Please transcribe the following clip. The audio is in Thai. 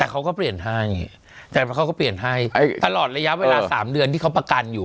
แต่เขาก็เปลี่ยนให้แต่เขาก็เปลี่ยนให้ตลอดระยะเวลา๓เดือนที่เขาประกันอยู่